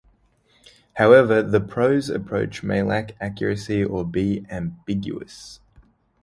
However, the prose approach may lack accuracy or be ambiguous.